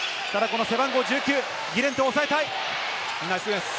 背番号１９、ギレントを抑えたい。